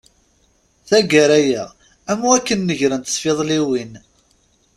Tagara-a, am wakken negrent tfiḍliwin.